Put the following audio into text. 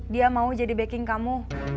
dia mau jadi backing kamu